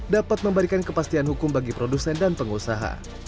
dapat memberikan kepastian hukum bagi produsen dan pengusaha